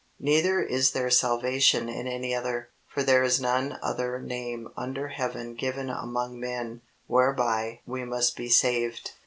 "Neither is there salvation in any other: for there is none other name under heaven given among men, whereby we must be saved."